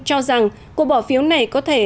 cho rằng cuộc bỏ phiếu này có thể